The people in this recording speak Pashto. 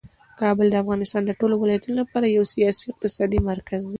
کابل د افغانستان د ټولو ولایتونو لپاره یو سیاسي او اقتصادي مرکز دی.